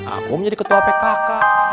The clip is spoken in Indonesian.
aku mau jadi ketua pkk